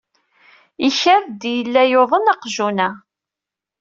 Ikad-d yella yuḍen uqjun-a.